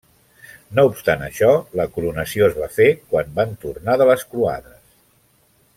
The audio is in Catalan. No obstant això, la coronació es va fer quan van tornar de les Croades.